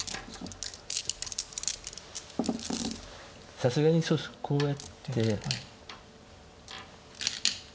さすがにこうやって。